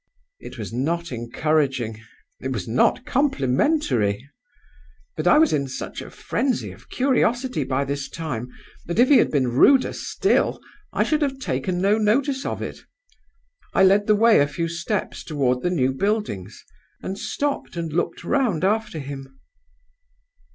"It was not encouraging; it was not complimentary. But I was in such a frenzy of curiosity by this time that, if he had been ruder still, I should have taken no notice of it. I led the way a few steps toward the new buildings, and stopped and looked round after him.